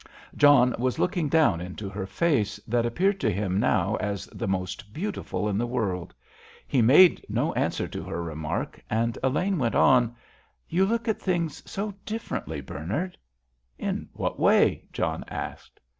John was looking down into her face, that appeared to him now as the most beautiful in the world. He made no answer to her remark, and Elaine went on: "You look at things so differently, Bernard." "In what way?" John asked.